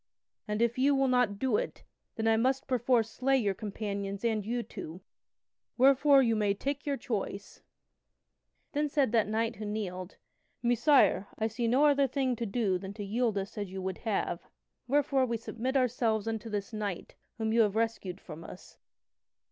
And if ye do not do it, then I must perforce slay your companions and you two. Wherefore you may take your choice." [Sidenote: The three knights must yield to the one knight] Then said that knight who kneeled: "Messire, I see no other thing to do than to yield us as you would have, wherefore we submit ourselves unto this knight whom you have rescued from us."